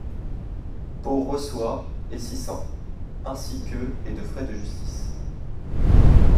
Poe reçoit et six cents, ainsi que et de frais de justice.